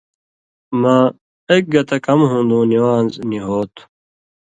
مہ ایک گتہ کم ہُون٘دُوں نِوان٘ز نی ہو تُھو۔